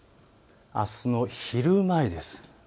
あすの昼前です。